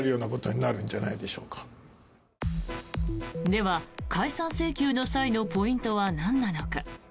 では解散請求の際のポイントはなんなのか。